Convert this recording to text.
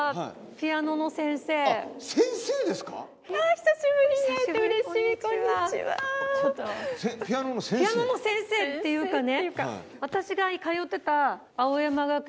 ピアノの先生っていうかね。